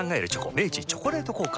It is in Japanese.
明治「チョコレート効果」